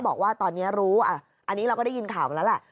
บอกว่าตอนนี้รู้อันนี้เราก็ได้ยินข่าวมาแล้วแหละ